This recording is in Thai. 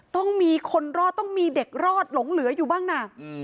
ต้องมีคนรอดต้องมีเด็กรอดหลงเหลืออยู่บ้างนะ